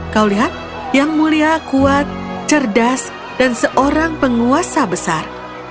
kau lihat yang mulia kuat cerdas dan seorang penguasa besar